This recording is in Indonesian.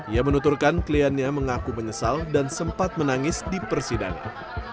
ia menuturkan kliennya mengaku menyesal dan sempat menangis di persidangan